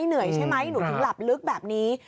เหนื่อยใช่ไหมหนูถึงหลับลึกแบบนี้